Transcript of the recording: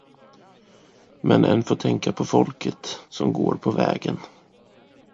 Men en får tänka på folket, som går på vägen.